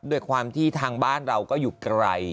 ด้วยความที่ทางบ้านเราก็อยู่ไกล